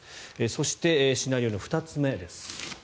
そして、シナリオの２つ目です。